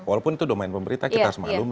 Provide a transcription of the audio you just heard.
walaupun itu domain pemerintah kita harus maklumi